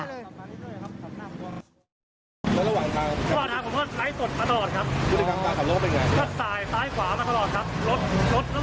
รถตัวเนี้ยมาขับจับหน้าตัวครับยางหน้านะเติบ